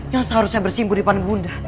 yang seharusnya bersimpu di depan bunda